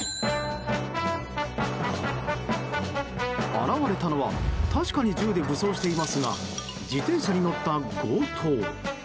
現れたのは確かに銃で武装していますが自転車に乗った強盗。